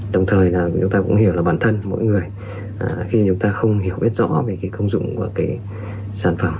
đồng thời chúng ta cũng hiểu là bản thân mỗi người khi chúng ta không hiểu biết rõ về công dụng của sản phẩm